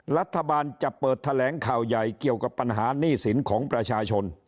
รัฐบาลจะเปิดแถลงข่าวใหญ่เกี่ยวกับปัญหาหนี้สินของประชาชน